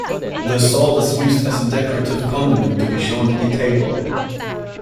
The salt is used as a decorative condiment to be shown at the table.